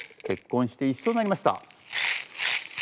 結婚して一緒になりました。